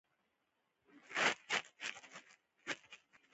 په پرمختیایي هېوادونو کې اوزګارتیا او انفلاسیون دواړه یو ځای شتون لري.